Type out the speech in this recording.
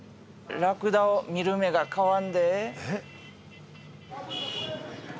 ラクダを見る目が変わる？